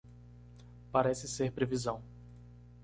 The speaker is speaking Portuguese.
Parece ser previsão